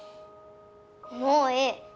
もういい！